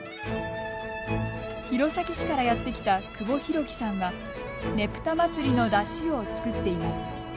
弘前市からやってきた久保洋貴さんはねぷたまつりの山車を作っています。